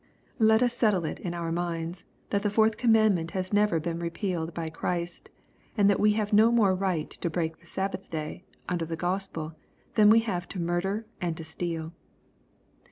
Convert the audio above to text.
Let us settle it in our minds, that the fourth commandment has never been repealed by Christ, and that we have no more right to break the Sabbath day, under the Gospel, than we have to murder and to steal.